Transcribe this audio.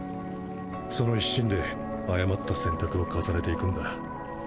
その一心で誤った選択を重ねていくんだ。